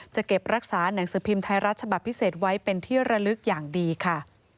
จะเก็บรักษาหนังสือพิมพ์ไทยรัฐฉบับพิเศษไว้เป็นที่ระลึกอย่างดีค่ะ